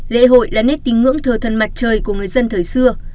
lễ hội là nét tính ngưỡng thờ thần mặt trời của người dân thời xưa